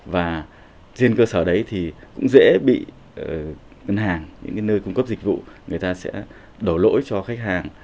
và trên cơ sở đấy thì cũng dễ bị ngân hàng những nơi cung cấp dịch vụ người ta sẽ đổ lỗi cho khách hàng